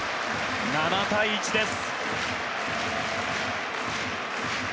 ７対１です。